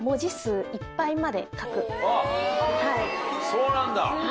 そうなんだ。